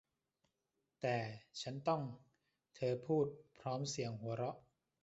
แต่ฉันต้อง เธอพูดพร้อมเสียงหัวเราะ